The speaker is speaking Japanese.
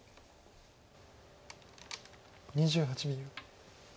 ２８秒。